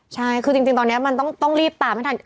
ใช่คือจริงตอนนี้มันต้องรีบตามให้ทัน